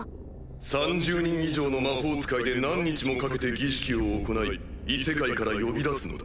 ３０人以上の魔法使いで何日もかけて儀式を行い異世界から呼び出すのだ。